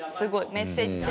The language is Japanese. メッセージ性。